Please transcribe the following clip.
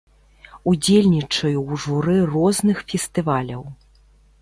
Удзельнічаю ў журы розных фестываляў.